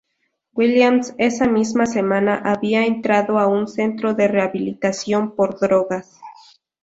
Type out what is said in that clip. Williams esa misma semana había entrado a un centro de rehabilitación por drogas.